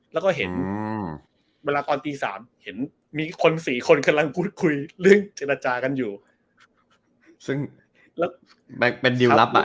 แล้วก็เห็นเวลาตอนตีสามเห็นมีคนสี่คนกำลังพูดคุยเรื่องเจรจากันอยู่ซึ่งแล้วเป็นดิวลลับอ่ะ